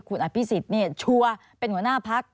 คุณอภิษฎิ์เนี่ยชัวร์เป็นหัวหน้าภักษ์